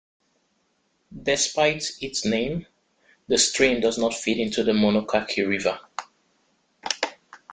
Despite its name, the stream does not feed into the Monocacy River.